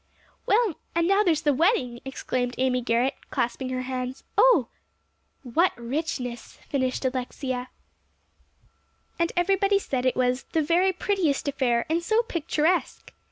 "Well, and now there's the wedding!" exclaimed Amy Garrett, clasping her hands, "oh!" "What richness!" finished Alexia. And everybody said it was "the very prettiest affair; and so picturesque!"